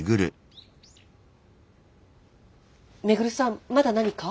恵留さんまだ何か？